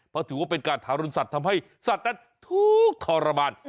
เพราะถือว่าเป็นการทารุณสัตว์ทำให้สัตว์นั้นทุกข์ทรมาน